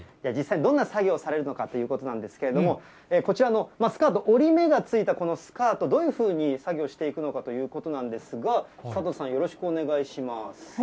実際にどんな作業をされるのかということなんですけれども、こちらのスカート、折り目がついたこのスカート、どういうふうに作業していくのかということなんですが、佐藤さん、よろしくお願いします。